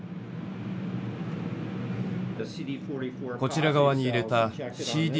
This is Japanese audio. こちら側に入れたＣＤ